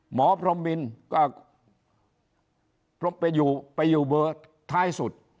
พรมมินก็ไปอยู่เบอร์ท้ายสุด